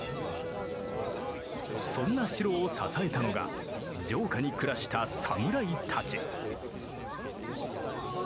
そんな城を支えたのが城下に暮らした侍たち。